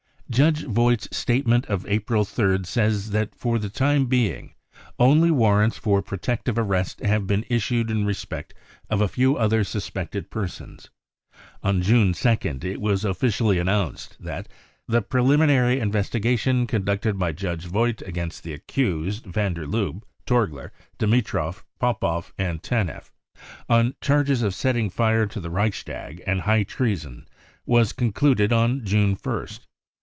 Judge Vogt's statement of April 3rd says that, £< for the time being, only warrants for protective arrest have been issued in respect of a few other suspected persons." On * June 2nd it was officially announced that : <c the preliminary investigation conducted by Judge Vogt against the accused van der Lubbe, Torgler, Dimitrov, Popoff and Taneff, on charges of setting fire to the Reichstag and high treason, was concluded on June 1st.